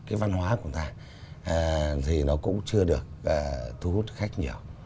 cái văn hóa của ta thì nó cũng chưa được thu hút khách nhiều